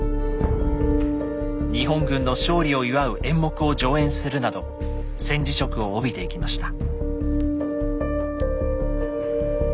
日本軍の勝利を祝う演目を上演するなど戦時色を帯びていきました。